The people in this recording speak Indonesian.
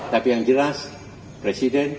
tapi yang jelas presiden